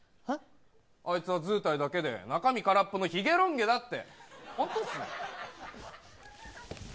あいつは図体だけで中身は空っぽのひげロン毛だって。